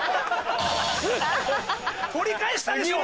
取り返したでしょ！